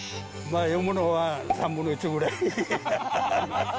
読むのは３分の１ぐらい。